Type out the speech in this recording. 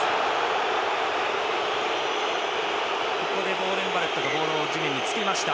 ボーデン・バレットがボールを地面につけました。